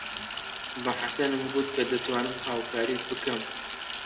بە حەسەنم گوت کە دەتوانم هاوکاریت بکەم.